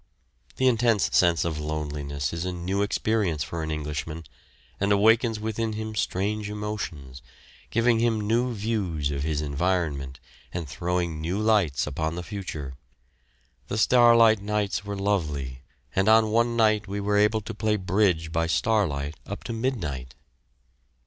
The intense sense of loneliness is a new experience for an Englishman, and awakens within him strange emotions, giving him new views of his environment and throwing new lights upon the future. The starlight nights were lovely, and on one night we were able to play bridge by starlight up to midnight.